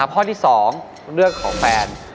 ข้อที่๒เรื่องของแฟน